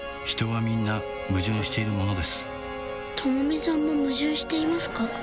人はみんな矛盾しているものですともみさんも矛盾していますか？